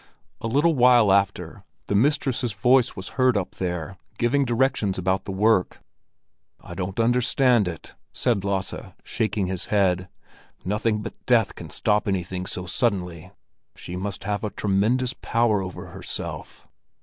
A little while after, the mistress's voice was heard up there, giving directions about the work. "I don't understand it," said Lasse, shaking his head. "Nothing but death can stop anything so suddenly. She must have a tremendous power over herself!"